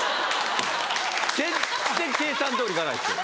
全然計算通りいかないですよ。